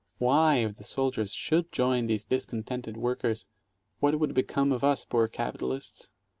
Why, if the soldiers should join these discon tented workers, what would become of us poor capitalists?